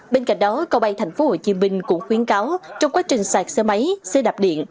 bên cạnh đó cầu bay tp hcm cũng khuyến cáo trong quá trình sạc xe máy xe đạp điện